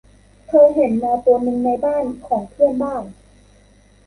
เธอเห็นแมวตัวหนึ่งในบ้านของเพื่อนบ้าน